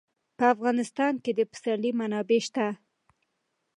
په افغانستان کې د پسرلی منابع شته.